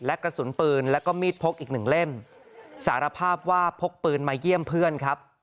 และกระสุนปืนแล้วก็มีดพกอีกหนึ่งเล่มสารภาพว่าพกปืนมาเยี่ยมเพื่อนครับ